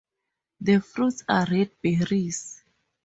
The fruits are red berries.